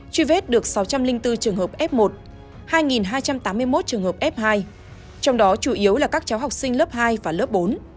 truy vết được sáu trăm linh bốn trường hợp f một hai hai trăm tám mươi một trường hợp f hai trong đó chủ yếu là các cháu học sinh lớp hai và lớp bốn